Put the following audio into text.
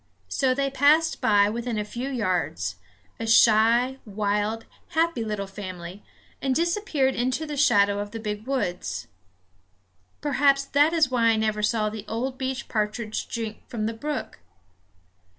So they passed by within a few yards, a shy, wild, happy little family, and disappeared into the shadow of the big woods. Perhaps that is why I never saw the old beech partridge drink from the brook.